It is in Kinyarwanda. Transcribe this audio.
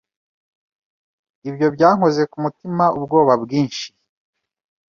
Ibyo byankoze ku mutima ubwoba bwinshi